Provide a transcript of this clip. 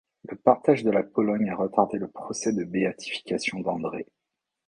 Le partage de la Pologne a retardé le procès de béatification d'André.